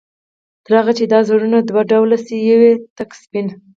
تر هغه چي دا زړونه دوه ډوله شي، يو ئې تك سپين